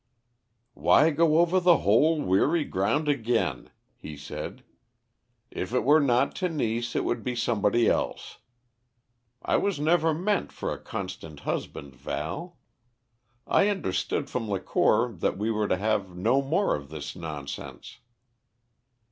"Why go over the whole weary ground again?" he said. "If it were not Tenise, it would be somebody else. I was never meant for a constant husband, Val. I understood from Lacour that we were to have no more of this nonsense."